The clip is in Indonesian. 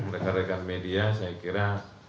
rekan rekan media saya kira